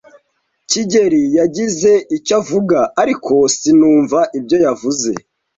kigeli yagize icyo avuga, ariko sinumva ibyo yavuze.